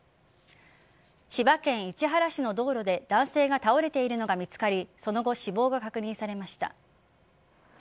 千葉県市原市の道路で男性が倒れているのが見つかりその後、死亡が確認されました。